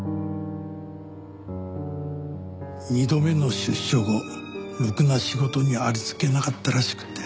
２度目の出所後ろくな仕事にありつけなかったらしくて。